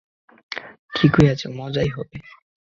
ঠিকই আছে, মজাই হবে।